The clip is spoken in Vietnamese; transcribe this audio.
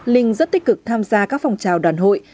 linh rất tích cực tham gia các phòng trào đoàn hội